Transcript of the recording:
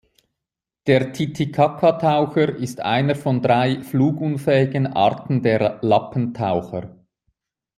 Der Titicaca-Taucher ist einer von drei flugunfähigen Arten der Lappentaucher.